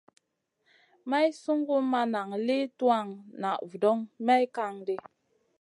Maï sungu ma nan sli tuwan na vudoŋ may kan ɗi.